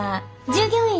従業員？寮？